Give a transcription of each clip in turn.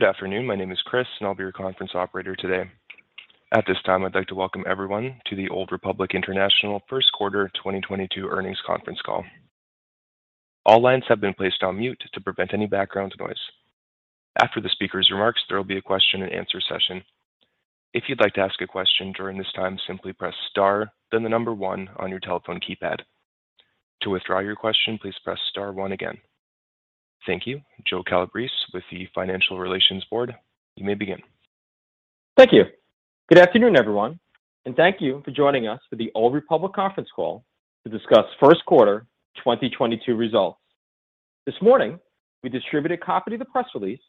Good afternoon. My name is Chris, and I'll be your conference operator today. At this time, I'd like to welcome everyone to the Old Republic International first quarter 2022 earnings conference call. All lines have been placed on mute to prevent any background noise. After the speaker's remarks, there will be a question and answer session. If you'd like to ask a question during this time, simply press star then the number one on your telephone keypad. To withdraw your question, please press star one again. Thank you. Joe Calabrese with the Financial Relations Board, you may begin. Thank you. Good afternoon, everyone, and thank you for joining us for the Old Republic conference call to discuss first quarter 2022 results. This morning, we distributed a copy of the press release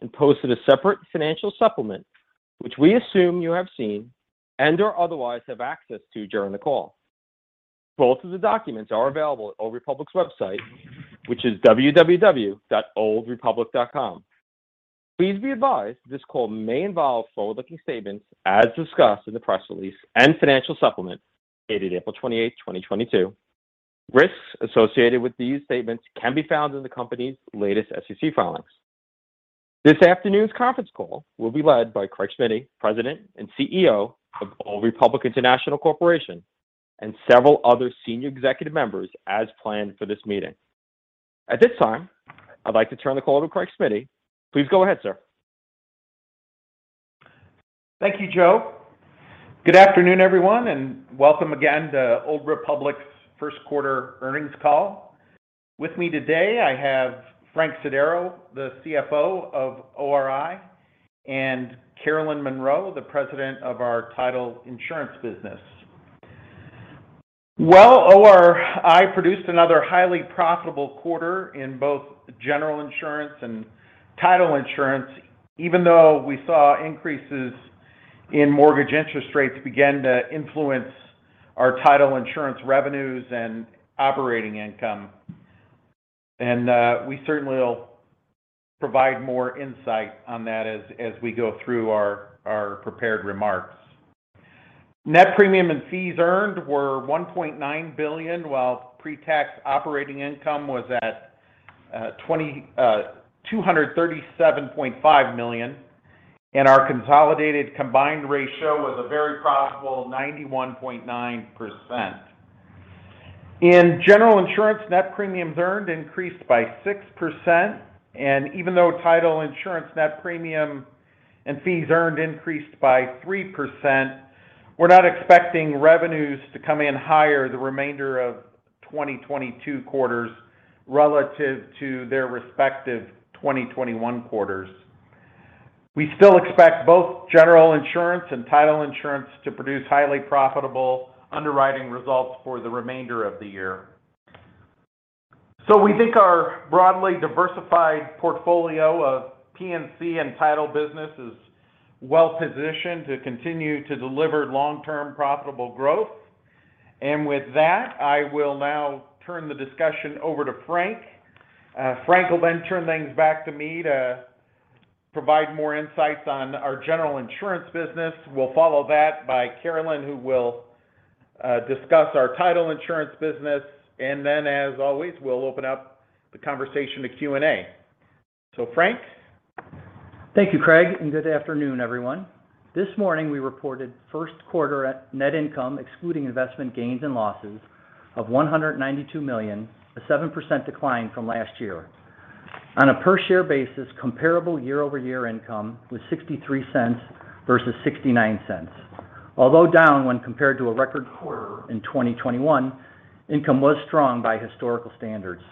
and posted a separate financial supplement, which we assume you have seen and/or otherwise have access to during the call. Both of the documents are available at Old Republic's website, which is www.oldrepublic.com. Please be advised, this call may involve forward-looking statements as discussed in the press release and financial supplement dated April 28, 2022. Risks associated with these statements can be found in the company's latest SEC filings. This afternoon's conference call will be led by Craig Smiddy, President and CEO of Old Republic International Corporation, and several other senior executive members as planned for this meeting. At this time, I'd like to turn the call to Craig Smiddy. Please go ahead, sir. Thank you, Joe. Good afternoon, everyone, and welcome again to Old Republic's first quarter earnings call. With me today, I have Frank Sodaro, the CFO of ORI, and Carolyn Monroe, the President of our Title Insurance Business. Well, ORI produced another highly profitable quarter in both General Insurance and Title Insurance, even though we saw increases in mortgage interest rates begin to influence our Title Insurance revenues and operating income. We certainly will provide more insight on that as we go through our prepared remarks. Net premium and fees earned were $1.9 billion, while pre-tax operating income was at $237.5 million, and our consolidated combined ratio was a very profitable 91.9%. In General Insurance, net premiums earned increased by 6%, and even though Title Insurance net premium and fees earned increased by 3%, we're not expecting revenues to come in higher the remainder of 2022 quarters relative to their respective 2021 quarters. We still expect both General Insurance and Title Insurance to produce highly profitable underwriting results for the remainder of the year. We think our broadly diversified portfolio of P&C and Title business is well-positioned to continue to deliver long-term profitable growth. With that, I will now turn the discussion over to Frank. Frank will then turn things back to me to provide more insights on our General Insurance business. We'll follow that by Carolyn, who will discuss our Title Insurance business. Then, as always, we'll open up the conversation to Q&A. Frank. Thank you, Craig, and good afternoon, everyone. This morning, we reported first quarter net income, excluding investment gains and losses, of $192 million, a 7% decline from last year. On a per-share basis, comparable year-over-year income was $0.63 versus $0.69. Although down when compared to a record quarter in 2021, income was strong by historical standards.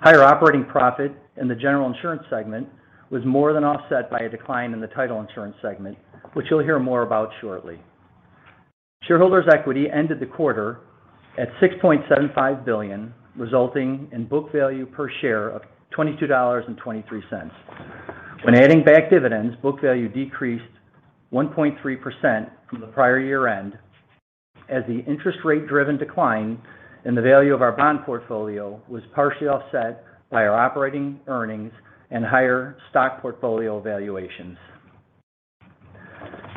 Higher operating profit in the General Insurance segment was more than offset by a decline in the Title Insurance Segment, which you'll hear more about shortly. Shareholders' equity ended the quarter at $6.75 billion, resulting in book value per share of $22.23. When adding back dividends, book value decreased 1.3% from the prior year-end, as the interest rate-driven decline in the value of our bond portfolio was partially offset by our operating earnings and higher stock portfolio valuations.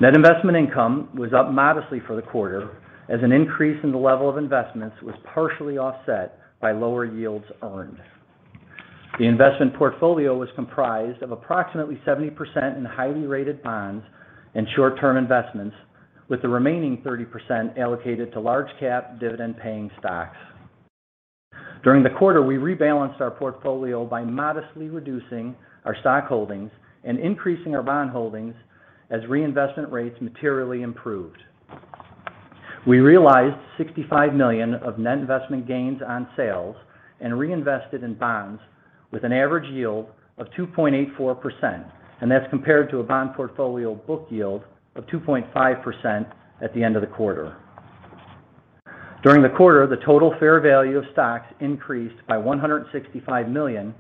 Net investment income was up modestly for the quarter as an increase in the level of investments was partially offset by lower yields earned. The investment portfolio was comprised of approximately 70% in highly rated bonds and short-term investments, with the remaining 30% allocated to large cap dividend-paying stocks. During the quarter, we rebalanced our portfolio by modestly reducing our stock holdings and increasing our bond holdings as reinvestment rates materially improved. We realized $65 million of net investment gains on sales and reinvested in bonds with an average yield of 2.84%, and that's compared to a bond portfolio book yield of 2.5% at the end of the quarter. During the quarter, the total fair value of stocks increased by $165 million,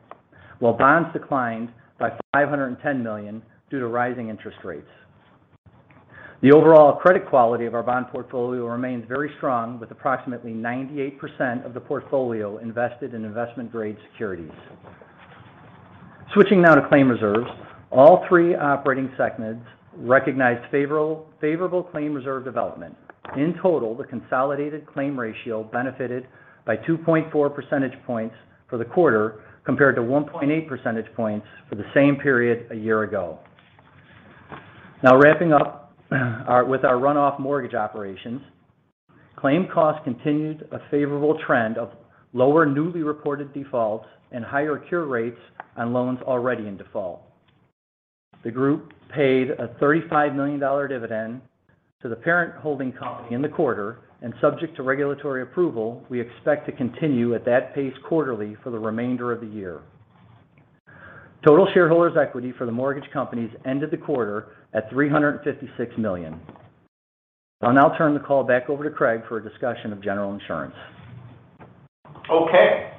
while bonds declined by $510 million due to rising interest rates. The overall credit quality of our bond portfolio remains very strong, with approximately 98% of the portfolio invested in investment-grade securities. Switching now to claim reserves. All three operating segments recognized favorable claim reserve development. In total, the consolidated claim ratio benefited by 2.4 percentage points for the quarter, compared to 1.8 percentage points for the same period a year ago. Now wrapping up with our runoff mortgage operations, claim costs continued a favorable trend of lower newly reported defaults and higher cure rates on loans already in default. The group paid a $35 million dividend to the parent holding company in the quarter, and subject to regulatory approval, we expect to continue at that pace quarterly for the remainder of the year. Total shareholders equity for the mortgage companies ended the quarter at $356 million. I'll now turn the call back over to Craig for a discussion of general insurance. Okay.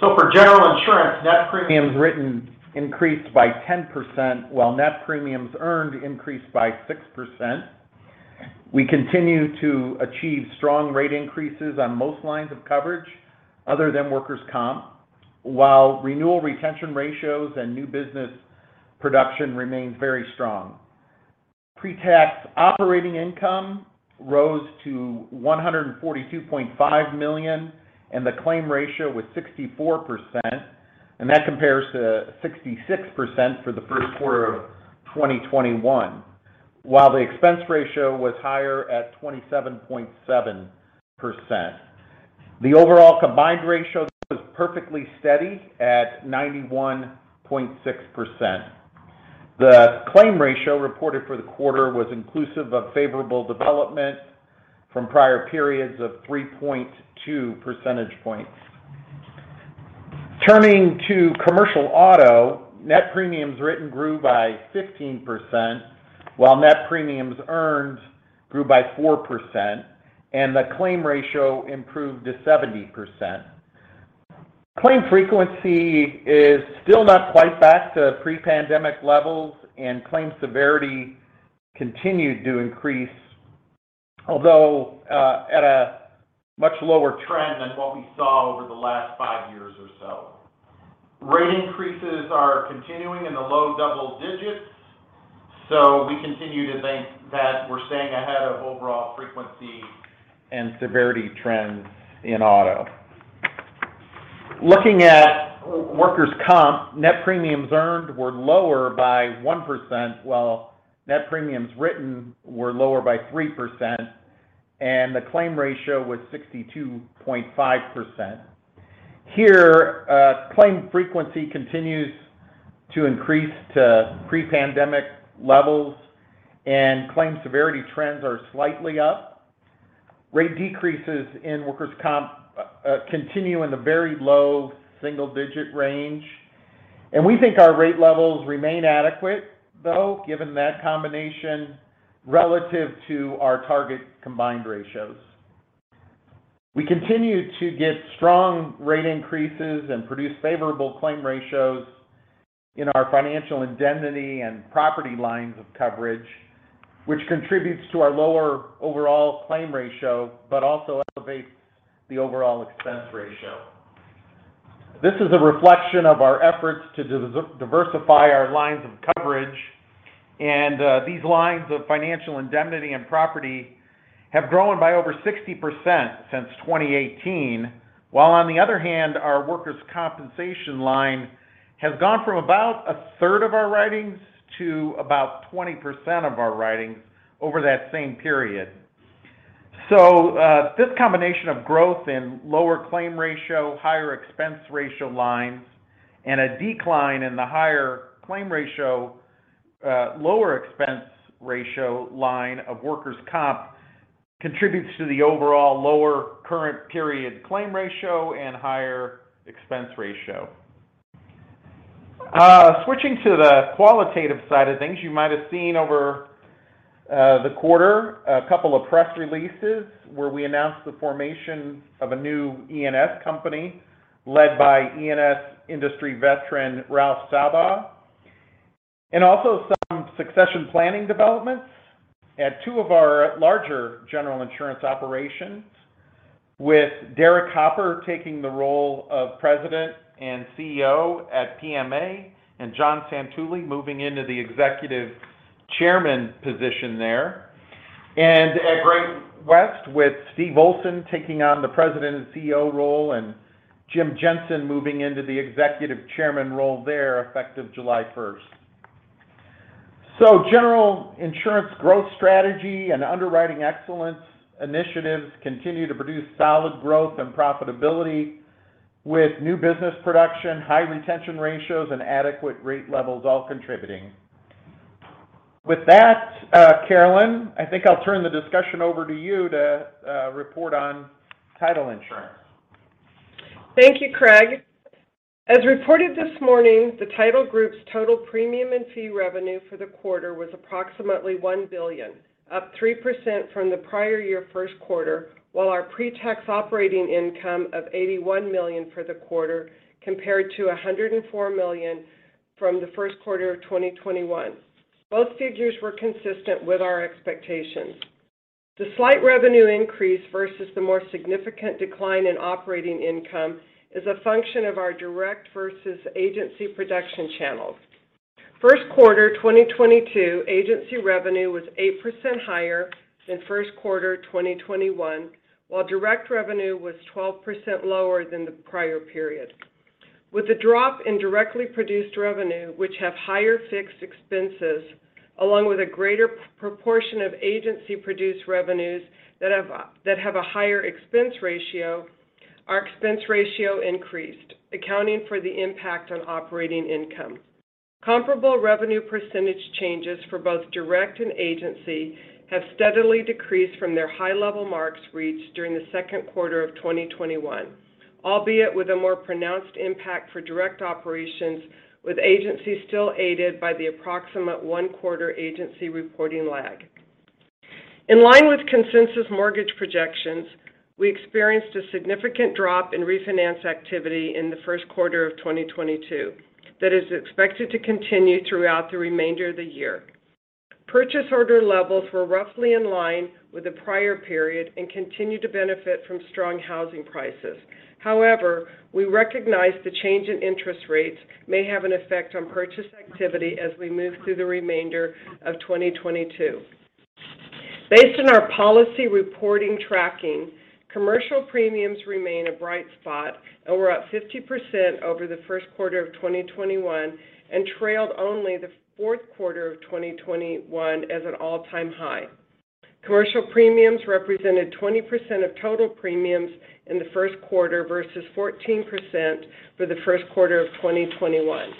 For general insurance, net premiums written increased by 10%, while net premiums earned increased by 6%. We continue to achieve strong rate increases on most lines of coverage other than workers' comp, while renewal retention ratios and new business production remains very strong. Pre-tax operating income rose to $142.5 million, and the claim ratio was 64%, and that compares to 66% for the first quarter of 2021, while the expense ratio was higher at 27.7%. The overall combined ratio was perfectly steady at 91.6%. The claim ratio reported for the quarter was inclusive of favorable development from prior periods of 3.2 percentage points. Turning to commercial auto, net premiums written grew by 15%, while net premiums earned grew by 4%, and the claim ratio improved to 70%. Claim frequency is still not quite back to pre-pandemic levels, and claim severity continued to increase, although at a much lower trend than what we saw over the last five years or so. Rate increases are continuing in the low double digits, so we continue to think that we're staying ahead of overall frequency and severity trends in auto. Looking at workers' comp, net premiums earned were lower by 1%, while net premiums written were lower by 3%, and the claim ratio was 62.5%. Here, claim frequency continues to increase to pre-pandemic levels, and claim severity trends are slightly up. Rate decreases in workers' comp continue in the very low single digit range. We think our rate levels remain adequate, though, given that combination relative to our target combined ratios. We continue to get strong rate increases and produce favorable claim ratios in our financial indemnity and property lines of coverage, which contributes to our lower overall claim ratio, but also elevates the overall expense ratio. This is a reflection of our efforts to diversify our lines of coverage, and these lines of financial indemnity and property have grown by over 60% since 2018, while on the other hand, our workers' compensation line has gone from about a third of our writings to about 20% of our writings over that same period. This combination of growth in lower claim ratio, higher expense ratio lines, and a decline in the higher claim ratio, lower expense ratio line of workers' comp contributes to the overall lower current period claim ratio and higher expense ratio. Switching to the qualitative side of things, you might have seen over the quarter a couple of press releases where we announced the formation of a new E&S company led by E&S industry veteran, Ralph Sabbagh. Also some succession planning developments at two of our larger general insurance operations with Derek Hopper taking the role of President and CEO at PMA and John Santulli moving into the Executive Chairman position there. At Great West with Steve Olson taking on the President and CEO role, and Jim Jensen moving into the Executive Chairman role there effective July 1st. General insurance growth strategy and underwriting excellence initiatives continue to produce solid growth and profitability with new business production, high retention ratios and adequate rate levels all contributing. With that, Carolyn, I think I'll turn the discussion over to you to report on title insurance. Thank you, Craig. As reported this morning, the Title group's total premium and fee revenue for the quarter was approximately $1 billion, up 3% from the prior year first quarter, while our pre-tax operating income of $81 million for the quarter compared to $104 million from the first quarter of 2021. Both figures were consistent with our expectations. The slight revenue increase versus the more significant decline in operating income is a function of our direct versus agency production channels. First quarter 2022, agency revenue was 8% higher than first quarter 2021, while direct revenue was 12% lower than the prior period. With the drop in directly produced revenue, which have higher fixed expenses, along with a greater proportion of agency-produced revenues that have a higher expense ratio, our expense ratio increased, accounting for the impact on operating income. Comparable revenue percentage changes for both direct and agency have steadily decreased from their high-level marks reached during the second quarter of 2021, albeit with a more pronounced impact for direct operations, with agency still aided by the approximate one-quarter agency reporting lag. In line with consensus mortgage projections, we experienced a significant drop in refinance activity in the first quarter of 2022 that is expected to continue throughout the remainder of the year. Purchase order levels were roughly in line with the prior period and continue to benefit from strong housing prices. However, we recognize the change in interest rates may have an effect on purchase activity as we move through the remainder of 2022. Based on our policy reporting tracking, commercial premiums remain a bright spot and were up 50% over the first quarter of 2021 and trailed only the fourth quarter of 2021 as an all-time high. Commercial premiums represented 20% of total premiums in the first quarter versus 14% for the first quarter of 2021.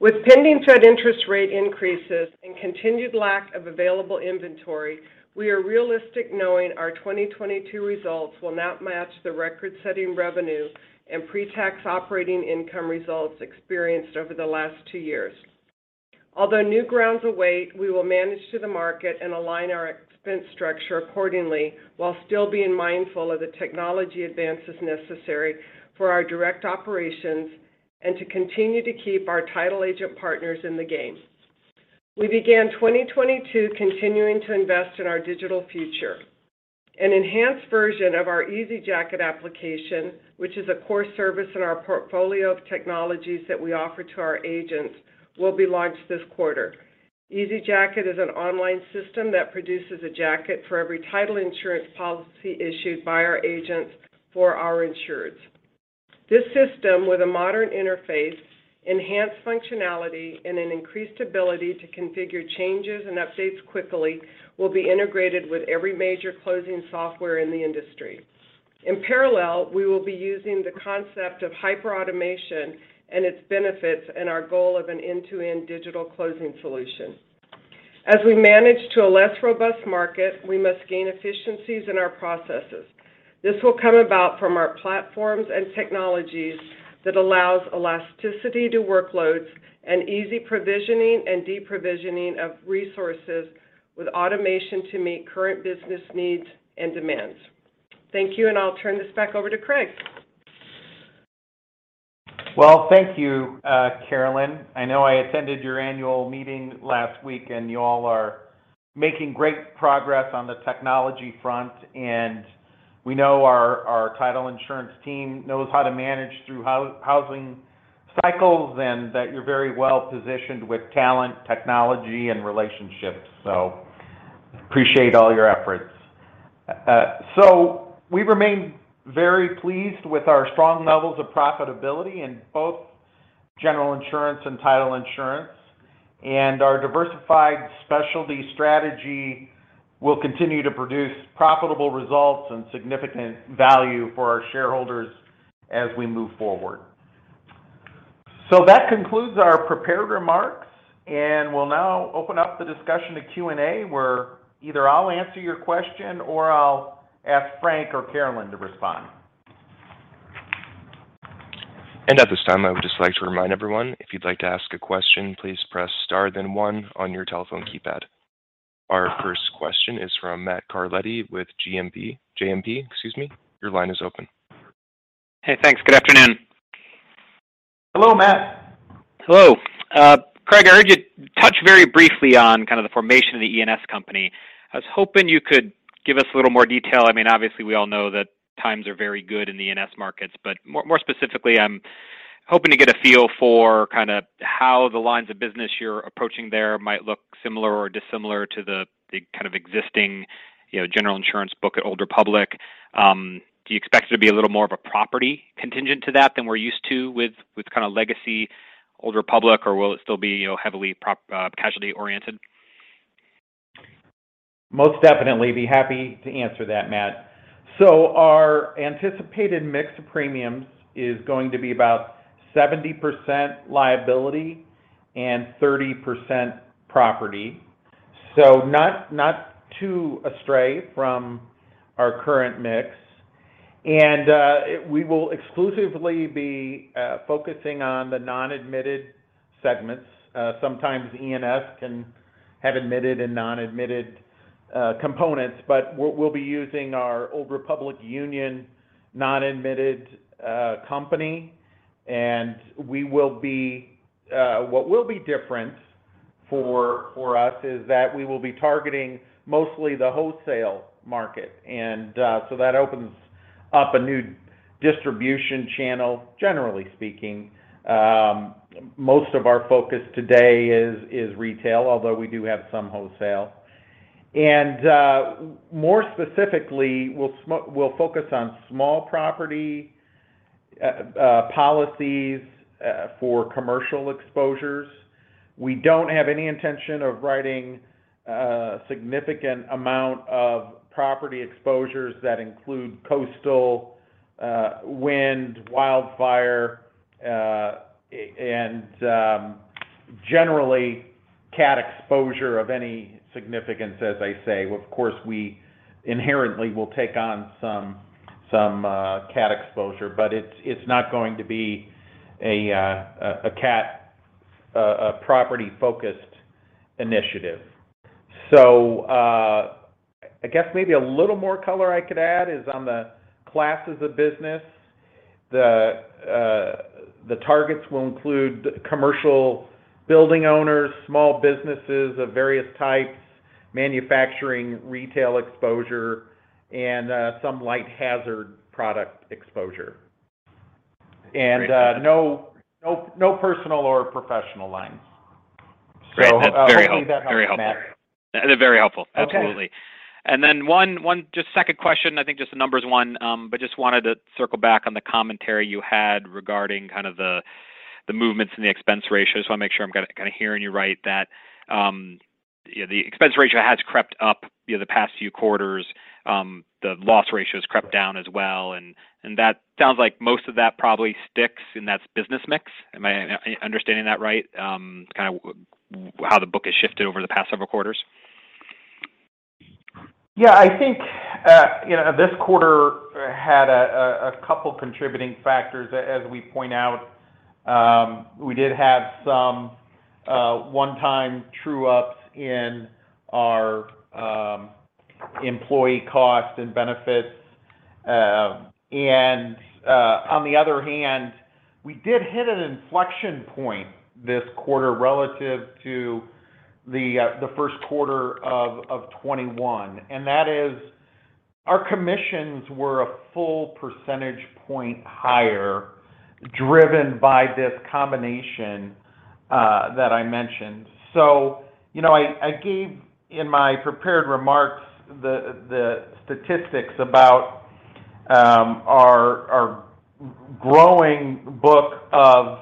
With pending Fed interest rate increases and continued lack of available inventory, we are realistic knowing our 2022 results will not match the record-setting revenue and pre-tax operating income results experienced over the last two years. Although new grounds await, we will manage to the market and align our expense structure accordingly while still being mindful of the technology advances necessary for our direct operations and to continue to keep our title agent partners in the game. We began 2022 continuing to invest in our digital future. An enhanced version of our ezJacket application, which is a core service in our portfolio of technologies that we offer to our agents, will be launched this quarter. ezJacket is an online system that produces a jacket for every title insurance policy issued by our agents for our insureds. This system, with a modern interface, enhanced functionality, and an increased ability to configure changes and updates quickly, will be integrated with every major closing software in the industry. In parallel, we will be using the concept of hyperautomation and its benefits in our goal of an end-to-end digital closing solution. As we manage to a less robust market, we must gain efficiencies in our processes. This will come about from our platforms and technologies that allows elasticity to workloads and easy provisioning and deprovisioning of resources with automation to meet current business needs and demands. Thank you, and I'll turn this back over to Craig. Well, thank you, Carolyn. I know I attended your annual meeting last week, and you all are making great progress on the technology front. We know our title insurance team knows how to manage through housing cycles and that you're very well-positioned with talent, technology, and relationships. Appreciate all your efforts. We remain very pleased with our strong levels of profitability in both general insurance and title insurance, and our diversified specialty strategy will continue to produce profitable results and significant value for our shareholders as we move forward. That concludes our prepared remarks, and we'll now open up the discussion to Q&A, where either I'll answer your question or I'll ask Frank or Carolyn to respond. At this time, I would just like to remind everyone, if you'd like to ask a question, please press star then one on your telephone keypad. Our first question is from Matt Carletti with JMP Securities. Your line is open. Hey, thanks. Good afternoon. Hello, Matt. Hello. Craig, I heard you touch very briefly on kind of the formation of the E&S company. I was hoping you could give us a little more detail. I mean, obviously, we all know that times are very good in the E&S markets, but more specifically, I'm hoping to get a feel for kinda how the lines of business you're approaching there might look similar or dissimilar to the kind of existing, you know, general insurance book at Old Republic. Do you expect it to be a little more of a property-centric to that than we're used to with kinda legacy Old Republic, or will it still be, you know, heavily prop casualty-oriented? Most definitely. I'm happy to answer that, Matt. Our anticipated mix of premiums is going to be about 70% liability and 30% property, so not too astray from our current mix. We will exclusively be focusing on the non-admitted segments. Sometimes E&S can have admitted and non-admitted components, but we'll be using our Old Republic Union non-admitted company. What will be different for us is that we will be targeting mostly the wholesale market. That opens up a new distribution channel. Generally speaking, most of our focus today is retail, although we do have some wholesale. More specifically, we'll focus on small property policies for commercial exposures. We don't have any intention of writing a significant amount of property exposures that include coastal, wind, wildfire, and generally cat exposure of any significance, as I say. Of course, we inherently will take on some cat exposure, but it's not going to be a property-focused initiative. I guess maybe a little more color I could add is on the classes of business. The targets will include commercial building owners, small businesses of various types, manufacturing, retail exposure, and some light hazard product exposure. Great. No personal or professional lines. Great. That's very helpful. Hopefully that helps, Matt. Very helpful. Very helpful. Absolutely. Okay. One just second question, I think just the numbers one, but just wanted to circle back on the commentary you had regarding kind of the movements in the expense ratio. Just want to make sure I'm kinda hearing you right that, you know, the expense ratio has crept up, you know, the past few quarters. The loss ratio has crept down as well and that sounds like most of that probably sticks in that business mix. Am I understanding that right? Kind of how the book has shifted over the past several quarters? Yeah, I think, you know, this quarter had a couple contributing factors. As we point out, we did have some one-time true-ups in our employee costs and benefits. On the other hand, we did hit an inflection point this quarter relative to the first quarter of 2021, and that is our commissions were a full percentage point higher driven by this combination that I mentioned. You know, I gave in my prepared remarks the statistics about our growing book of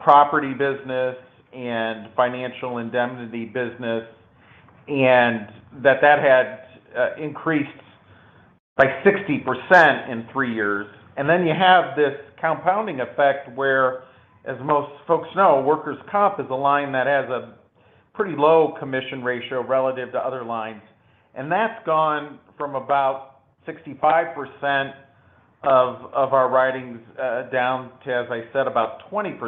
property business and financial indemnity business and that had increased by 60% in three years. You have this compounding effect where, as most folks know, workers' comp is a line that has a pretty low commission ratio relative to other lines. That's gone from about 65% of our writings down to, as I said, about 20%.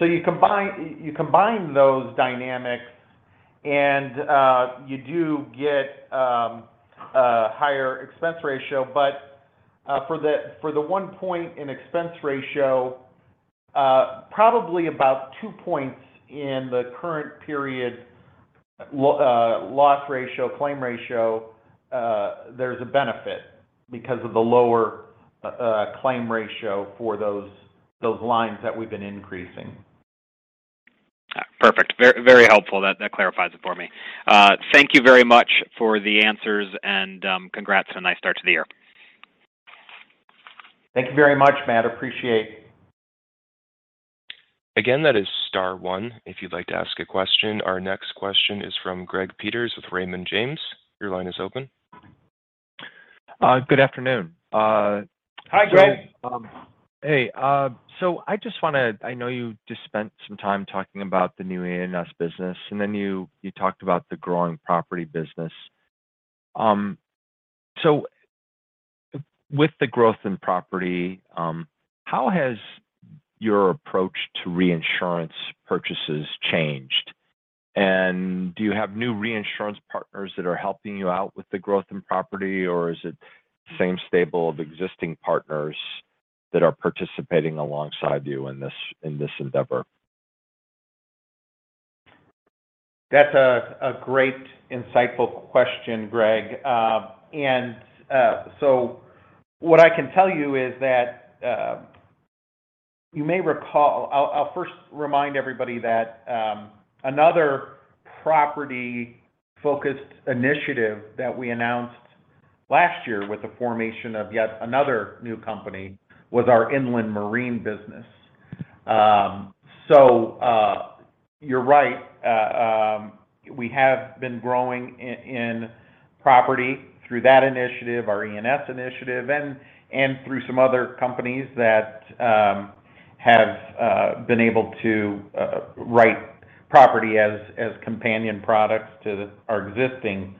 You combine those dynamics and you do get a higher expense ratio. For the one point in expense ratio, probably about two points in the current period loss ratio, claim ratio, there's a benefit because of the lower claim ratio for those lines that we've been increasing. Perfect. Very, very helpful. That clarifies it for me. Thank you very much for the answers and congrats on a nice start to the year. Thank you very much, Matt. Appreciate. Again, that is star one if you'd like to ask a question. Our next question is from Greg Peters with Raymond James. Your line is open. Good afternoon. Hi, Greg. Hey. I just wanna—I know you just spent some time talking about the new E&S business, and then you talked about the growing property business. With the growth in property, how has your approach to reinsurance purchases changed? And do you have new reinsurance partners that are helping you out with the growth in property, or is it the same stable of existing partners that are participating alongside you in this endeavor? That's a great, insightful question, Greg. What I can tell you is that you may recall. I'll first remind everybody that another property-focused initiative that we announced last year with the formation of yet another new company was our inland marine business. You're right. We have been growing in property through that initiative, our E&S initiative, and through some other companies that have been able to write property as companion products to our existing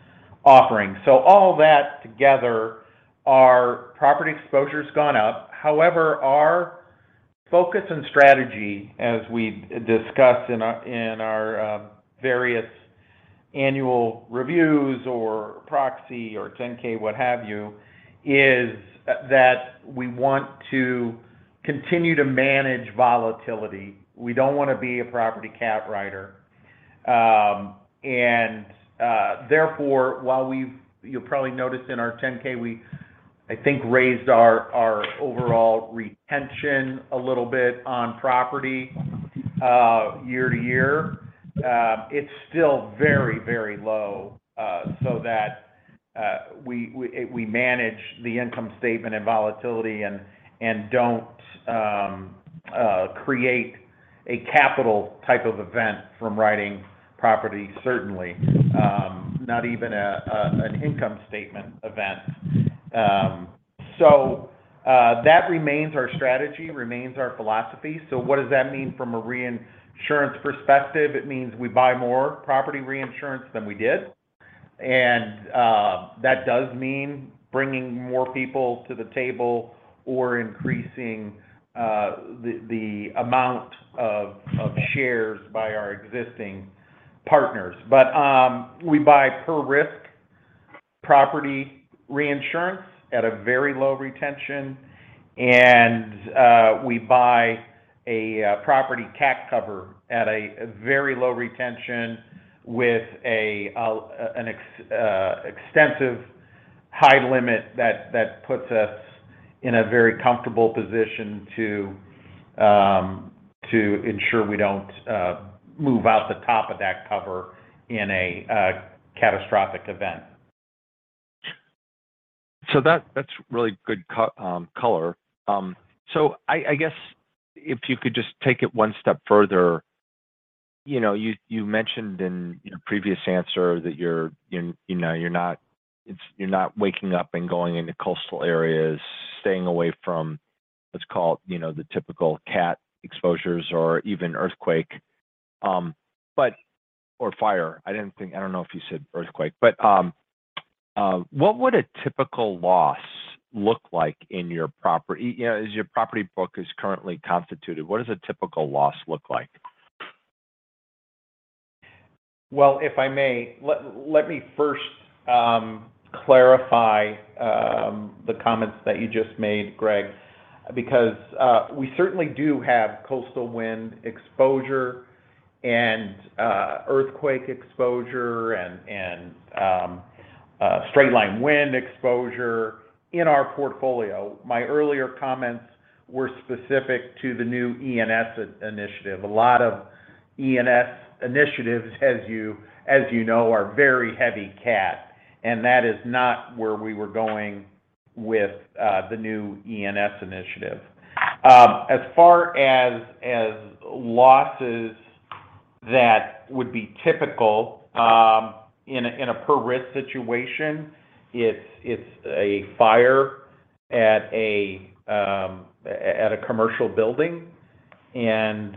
offerings. All that together, our property exposure's gone up. However, our focus and strategy, as we discuss in our various annual reviews or proxy or 10-K, what have you, is that we want to continue to manage volatility. We don't want to be a property cat writer. Therefore, while you'll probably notice in our 10-K we think we raised our overall retention a little bit on property year to year. It's still very, very low, so that we manage the income statement and volatility and don't create a capital type of event from writing property certainly, not even an income statement event. That remains our strategy, remains our philosophy. What does that mean from a reinsurance perspective? It means we buy more property reinsurance than we did. That does mean bringing more people to the table or increasing the amount of shares by our existing partners. We buy per risk property reinsurance at a very low retention, and we buy a property cat cover at a very low retention with an extensive high limit that puts us in a very comfortable position to ensure we don't move out the top of that cover in a catastrophic event. That's really good color. I guess if you could just take it one step further. You know, you mentioned in your previous answer that you're not waking up and going into coastal areas, staying away from what's called, you know, the typical cat exposures or even earthquake or fire. I don't know if you said earthquake. But what would a typical loss look like in your property? You know, as your property book is currently constituted, what does a typical loss look like? Well, if I may, let me first clarify the comments that you just made, Greg, because we certainly do have coastal wind exposure and earthquake exposure and straight-line wind exposure in our portfolio. My earlier comments were specific to the new E&S initiative. A lot of E&S initiatives, as you know, are very heavy cat, and that is not where we were going with the new E&S initiative. As far as losses that would be typical in a per risk situation, it's a fire at a commercial building, and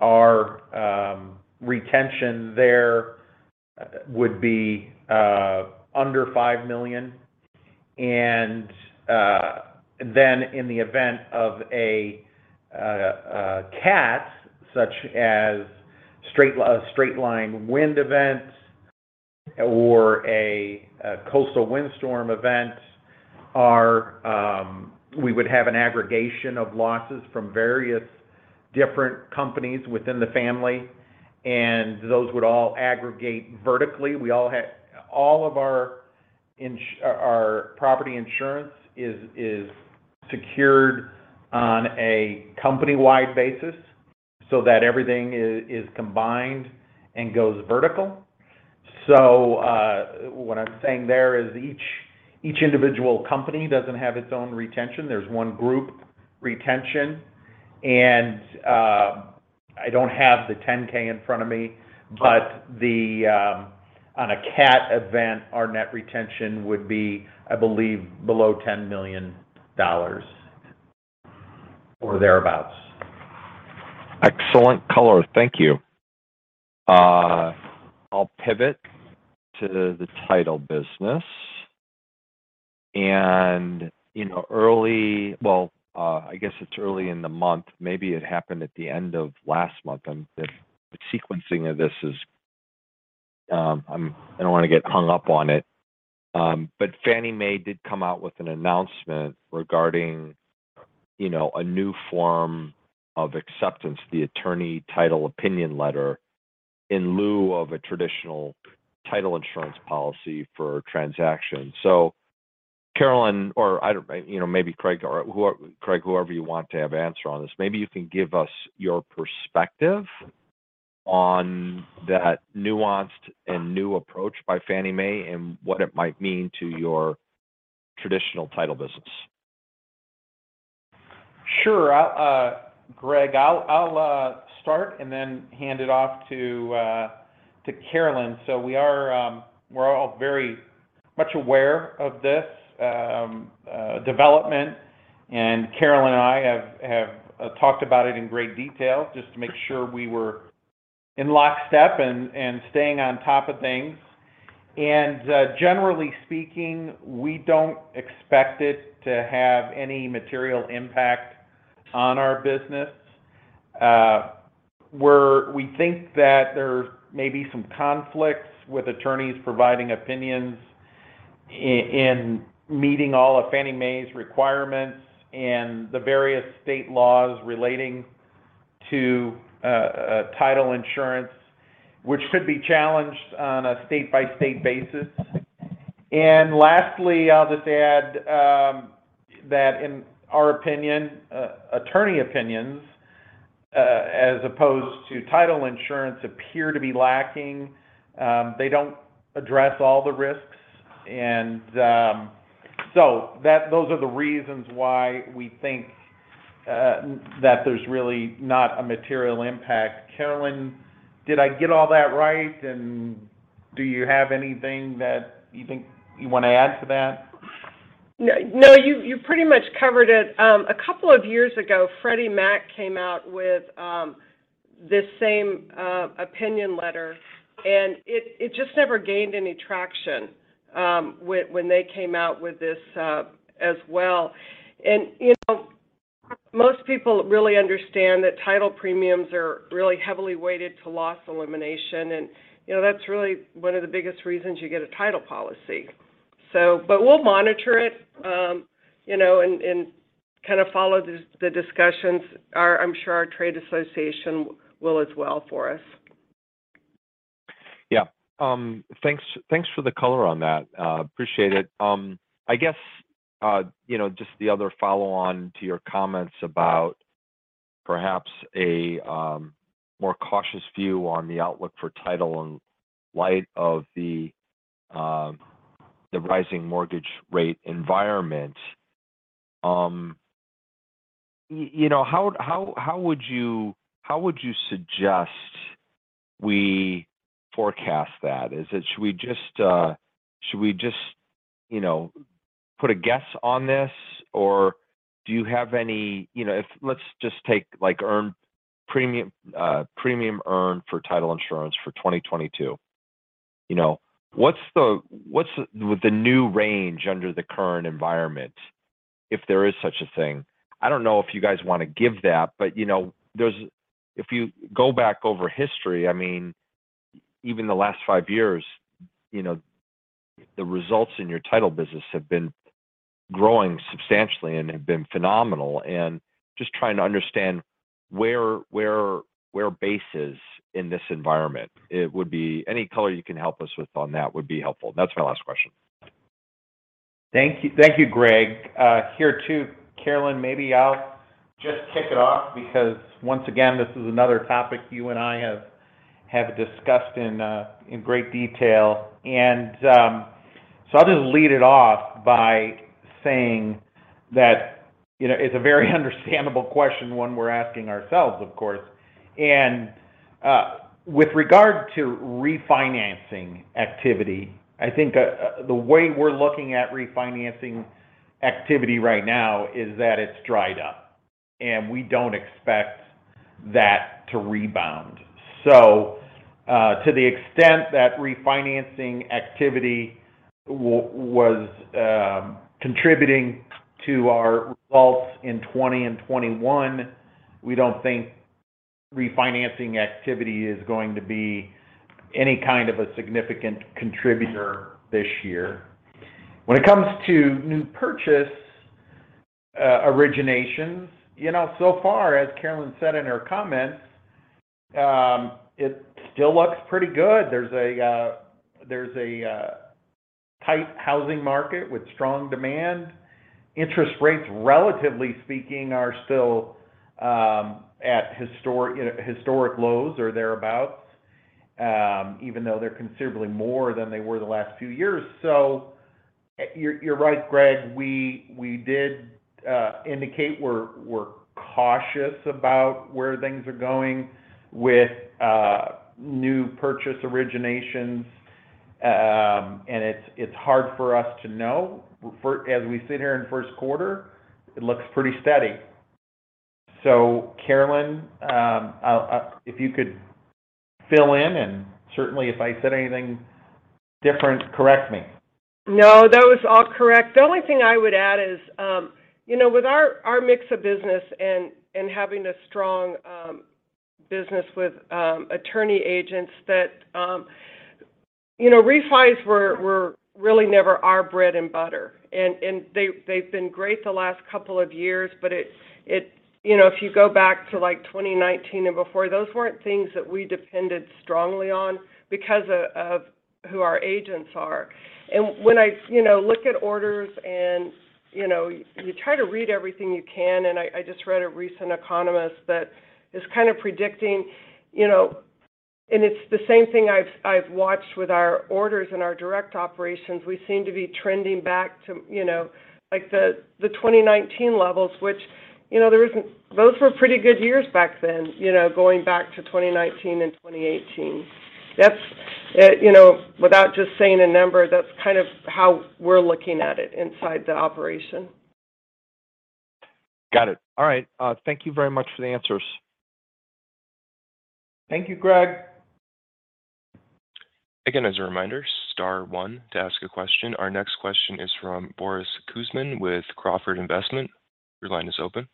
our retention there would be under $5 million. Then in the event of a cat such as a straight-line wind event or a coastal windstorm event, we would have an aggregation of losses from various different companies within the family, and those would all aggregate vertically. All of our property insurance is secured on a company-wide basis so that everything is combined and goes vertical. What I'm saying there is each individual company doesn't have its own retention. There's one group retention. I don't have the 10-K in front of me, but on a cat event, our net retention would be, I believe, below $10 million or thereabouts. Excellent color. Thank you. I'll pivot to the title business. You know, I guess it's early in the month. Maybe it happened at the end of last month. The sequencing of this is. I don't want to get hung up on it. But Fannie Mae did come out with an announcement regarding, you know, a new form of acceptance, the attorney opinion letter, in lieu of a traditional title insurance policy for transactions. Carolyn, maybe Craig, whoever you want to have answer on this, maybe you can give us your perspective on that nuanced and new approach by Fannie Mae and what it might mean to your traditional title business. Sure. I'll, Greg, I'll start and then hand it off to Carolyn. We're all very much aware of this development, and Carolyn and I have talked about it in great detail just to make sure we were in lockstep and staying on top of things. Generally speaking, we don't expect it to have any material impact on our business. We think that there may be some conflicts with attorneys providing opinions in meeting all of Fannie Mae's requirements and the various state laws relating to title insurance, which could be challenged on a state-by-state basis. Lastly, I'll just add that in our opinion, attorney opinions as opposed to title insurance appear to be lacking. They don't address all the risks. Those are the reasons why we think that there's really not a material impact. Carolyn, did I get all that right, and do you have anything that you think you wanna add to that? No, you pretty much covered it. A couple of years ago, Freddie Mac came out with this same opinion letter, and it just never gained any traction when they came out with this as well. You know, most people really understand that title premiums are really heavily weighted to loss elimination. You know, that's really one of the biggest reasons you get a title policy. But we'll monitor it, you know, and kind of follow the discussions. I'm sure our trade association will as well for us. Yeah. Thanks for the color on that. Appreciate it. I guess, you know, just the other follow on to your comments about perhaps a more cautious view on the outlook for title in light of the rising mortgage rate environment. You know, how would you suggest we forecast that? Is it, should we just, you know, put a guess on this? Or do you have any? You know, let's just take, like, earned premium earned for title insurance for 2022. You know, what's the new range under the current environment, if there is such a thing? I don't know if you guys wanna give that, but, you know, there's. If you go back over history, I mean, even the last five years, you know, the results in your title business have been growing substantially and have been phenomenal. Just trying to understand where base is in this environment. It would be. Any color you can help us with on that would be helpful. That's my last question. Thank you. Thank you, Greg. Here too, Carolyn, maybe I'll just kick it off, because once again, this is another topic you and I have discussed in great detail. I'll just lead it off by saying that, you know, it's a very understandable question, one we're asking ourselves, of course. With regard to refinancing activity, I think the way we're looking at refinancing activity right now is that it's dried up, and we don't expect that to rebound. To the extent that refinancing activity was contributing to our results in 2020 and 2021, we don't think refinancing activity is going to be any kind of a significant contributor this year. When it comes to new purchase originations, you know, so far, as Carolyn said in her comments, it still looks pretty good. There's a tight housing market with strong demand. Interest rates, relatively speaking, are still at historic, you know, historic lows or thereabout, even though they're considerably more than they were the last few years. You're right, Greg, we did indicate we're cautious about where things are going with new purchase originations. It's hard for us to know. As we sit here in first quarter, it looks pretty steady. Carolyn, if you could fill in, and certainly, if I said anything different, correct me. No, that was all correct. The only thing I would add is, you know, with our mix of business and having a strong business with attorney agents that, you know, refis were really never our bread and butter. They’ve been great the last couple of years, but it. You know, if you go back to, like, 2019 and before, those weren’t things that we depended strongly on because of who our agents are. When I, you know, look at orders and, you know, you try to read everything you can, and I just read a recent Economist that is kind of predicting, you know. It’s the same thing I’ve watched with our orders and our direct operations. We seem to be trending back to, you know, like, the 2019 levels, which, you know, Those were pretty good years back then, you know, going back to 2019 and 2018. That's, you know, without just saying a number, that's kind of how we're looking at it inside the operation. Got it. All right. Thank you very much for the answers. Thank you, Greg. Again, as a reminder, star one to ask a question. Our next question is from Boris Kuzmin with Crawford Investment. Your line is open.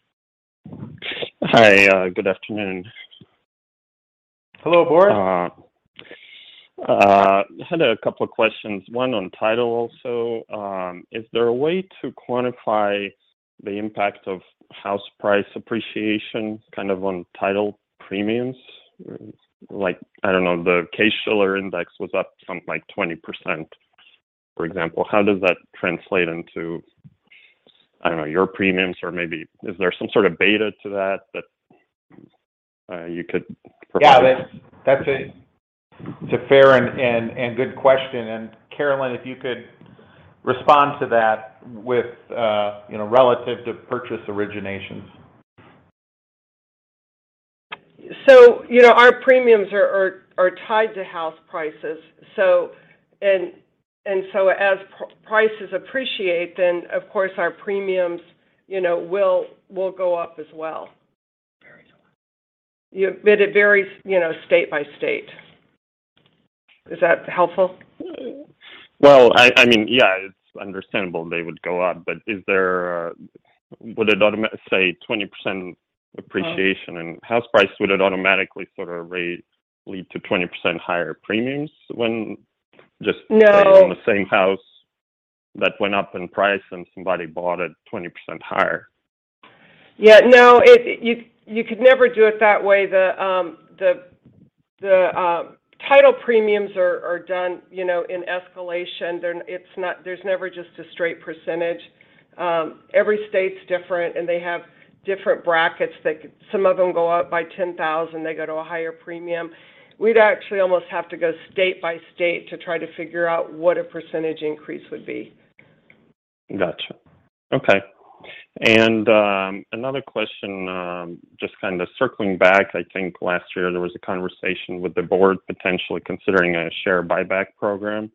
Hi. Good afternoon. Hello, board. I had a couple of questions, one on title also. Is there a way to quantify the impact of house price appreciation kind of on title premiums? Like, I don't know, the Case-Shiller index was up something like 20%, for example. How does that translate into, I don't know, your premiums? Or maybe is there some sort of beta to that that you could provide? Yeah, that's a fair and good question. Carolyn, if you could respond to that with, you know, relative to purchase originations. You know, our premiums are tied to house prices. As prices appreciate, then of course, our premiums, you know, will go up as well. It varies, you know, state by state. Is that helpful? Well, I mean, yeah, it's understandable they would go up. Would it automatically say 20% appreciation in house prices, would it automatically sort of lead to 20% higher premiums when just- No. buying the same house that went up in price and somebody bought it 20% higher? Yeah, no. You could never do it that way. The title premiums are done, you know, in escalation. There's never just a straight percentage. Every state's different, and they have different brackets. Some of them go up by 10,000, they go to a higher premium. We'd actually almost have to go state by state to try to figure out what a percentage increase would be. Gotcha. Okay. Another question, just kind of circling back. I think last year there was a conversation with the board potentially considering a share buyback program,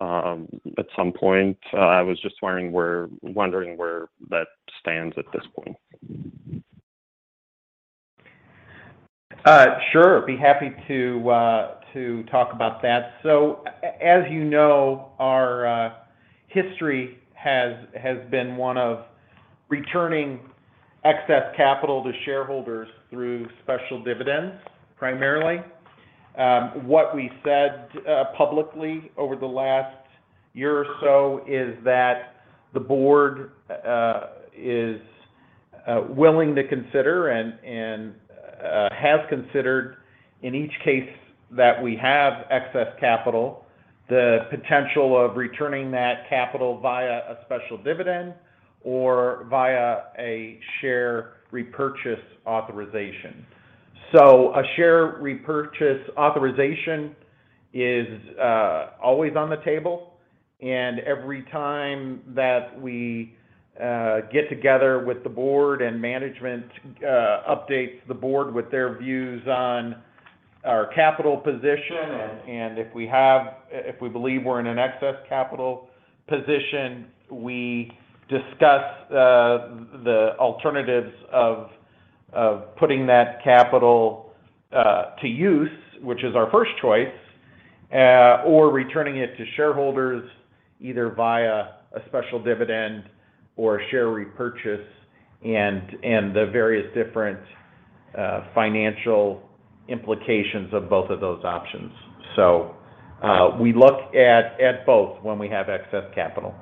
at some point. I was just wondering where that stands at this point. Sure. Be happy to talk about that. As you know, our history has been one of returning excess capital to shareholders through special dividends, primarily. What we said publicly over the last year or so is that the board is willing to consider and has considered in each case that we have excess capital, the potential of returning that capital via a special dividend or via a share repurchase authorization. A share repurchase authorization is always on the table. Every time that we get together with the board and management updates the board with their views on our capital position. If we believe we're in an excess capital position, we discuss the alternatives of putting that capital to use, which is our first choice, or returning it to shareholders either via a special dividend or a share repurchase, and the various different financial implications of both of those options. We look at both when we have excess capital.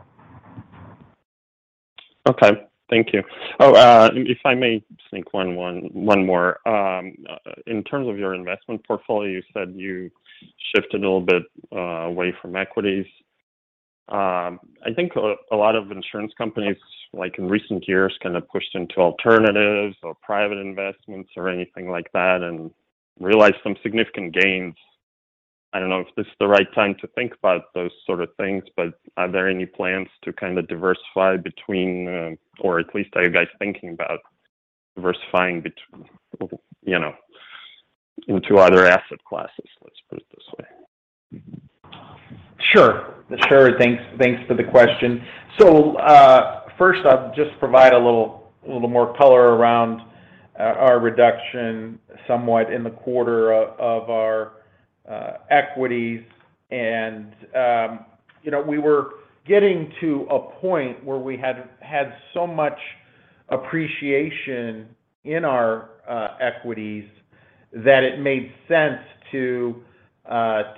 Okay. Thank you. If I may sneak one more. In terms of your investment portfolio, you said you shifted a little bit away from equities. I think a lot of insurance companies, like in recent years, kind of pushed into alternatives or private investments or anything like that and realized some significant gains. I don't know if this is the right time to think about those sort of things, but are there any plans to kind of diversify between, or at least are you guys thinking about diversifying between, you know, into other asset classes? Let's put it this way. Sure. Thanks for the question. First, I'll just provide a little more color around our reduction somewhat in the quarter of our equities. You know, we were getting to a point where we had so much appreciation in our equities that it made sense to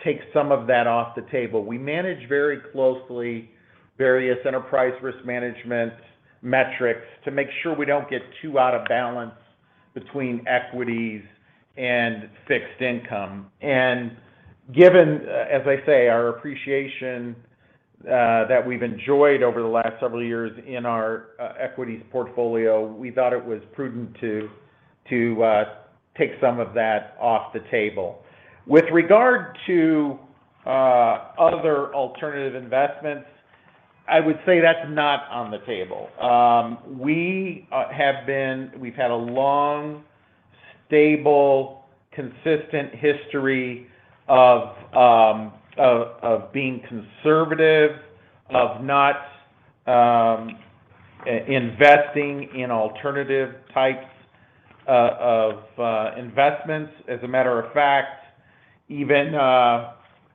take some of that off the table. We manage very closely various enterprise risk management metrics to make sure we don't get too out of balance between equities and fixed income. Given, as I say, our appreciation that we've enjoyed over the last several years in our equities portfolio, we thought it was prudent to take some of that off the table. With regard to other alternative investments, I would say that's not on the table. We've had a long, stable, consistent history of being conservative, of not investing in alternative types of investments. As a matter of fact. Even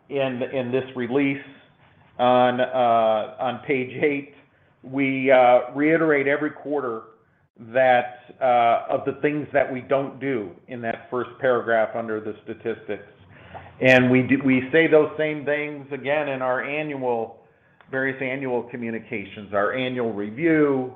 in this release on page 8, we reiterate every quarter that of the things that we don't do in that first paragraph under the statistics. We say those same things again in our annual, various annual communications, our annual review,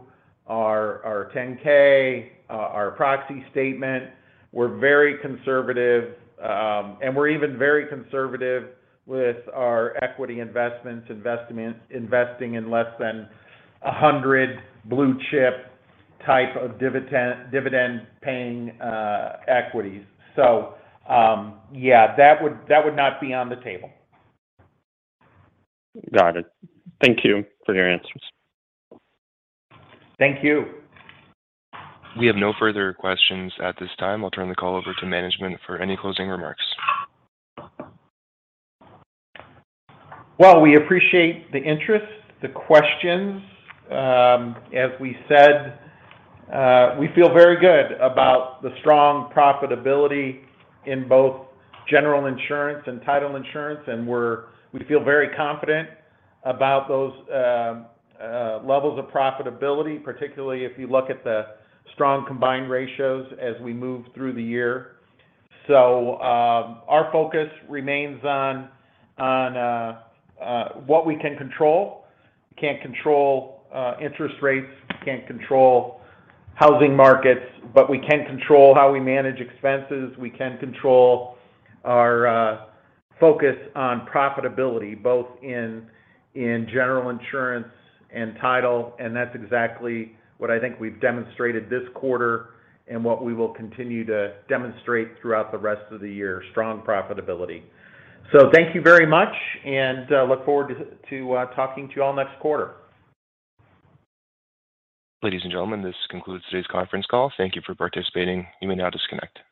our 10-K, our proxy statement. We're very conservative, and we're even very conservative with our equity investments, investing in less than 100 blue chip type of dividend-paying equities. Yeah, that would not be on the table. Got it. Thank you for your answers. Thank you. We have no further questions at this time. I'll turn the call over to management for any closing remarks. Well, we appreciate the interest, the questions. As we said, we feel very good about the strong profitability in both general insurance and title insurance. We feel very confident about those levels of profitability, particularly if you look at the strong combined ratios as we move through the year. Our focus remains on what we can control. We can't control interest rates, we can't control housing markets, but we can control how we manage expenses. We can control our focus on profitability both in general insurance and title, and that's exactly what I think we've demonstrated this quarter and what we will continue to demonstrate throughout the rest of the year, strong profitability. Thank you very much, and look forward to talking to you all next quarter. Ladies and gentlemen, this concludes today's conference call. Thank you for participating. You may now disconnect.